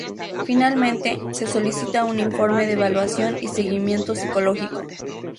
Finalmente, se solicita un informe de evaluación y seguimiento psicológico.